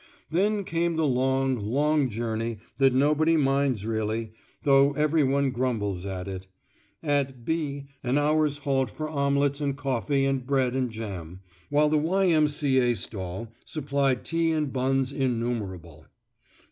Then came the long, long journey that nobody minds really, though every one grumbles at it. At B an hour's halt for omelettes and coffee and bread and jam, while the Y.M.C.A. stall supplied tea and buns innumerable.